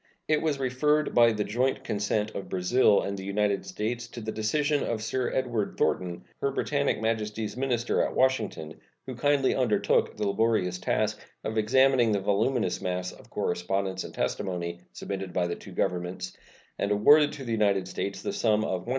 It was referred, by the joint consent of Brazil and the United States, to the decision of Sir Edward Thornton, Her Britannic Majesty's minister at Washington, who kindly undertook the laborious task of examining the voluminous mass of correspondence and testimony submitted by the two Governments, and awarded to the United States the sum of $100,740.